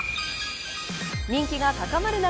人気が高まる中